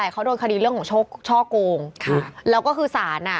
เขาโดนคดีเรื่องของช่อกงแล้วก็คือศาลน่ะ